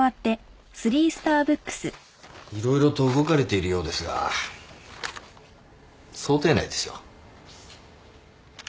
色々と動かれているようですが想定内ですよ。